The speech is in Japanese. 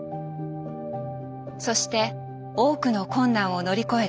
そして多くの困難を乗り越えて夢を実現。